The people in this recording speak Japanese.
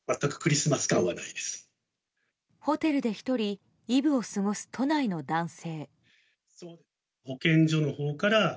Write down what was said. ホテルで１人イブを過ごす都内の男性。